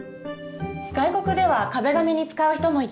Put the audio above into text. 外国では壁紙に使う人もいて。